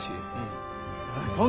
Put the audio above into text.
うん。